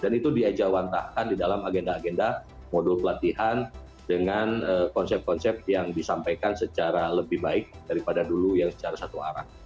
dan itu diajawantahkan di dalam agenda agenda modul pelatihan dengan konsep konsep yang disampaikan secara lebih baik daripada dulu yang secara satu arah